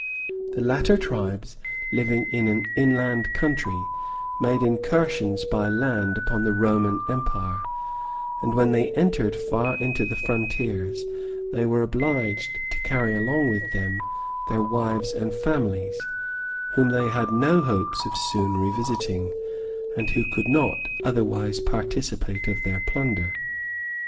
The latter tribes, living in an inland country, made incursions by land upon the Roman empire; and when they entered far into the frontiers, they were obliged to carry along with them their wives and families, whom they had no hopes of soon revisiting, and who could not otherwise participate of their plunder.